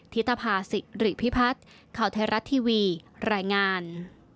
ธิตภาษิหรือพิพัฒน์เข้าไทยรัตน์ทีวีรายงาน